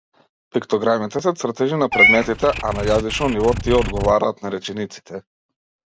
Пиктограмите се цртежи на предметите, а на јазично ниво тие одговараат на речениците.